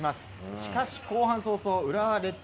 しかし後半早々浦和レッズ